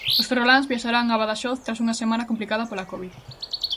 Os ferroláns viaxarán a Badaxoz tras unha semana complicada pola covid.